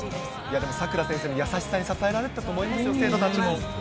でも、佐倉先生の優しさに支えられてたと思いますよ、生徒たちも。